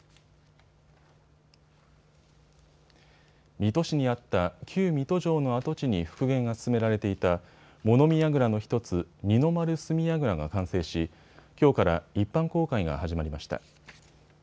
水戸市にあった旧水戸城の跡地に復元が進められていた物見やぐらの１つ、二の丸角櫓が完成しきょうから一般公開が始まりました。